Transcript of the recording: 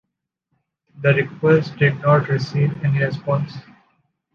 The request did not receive any response.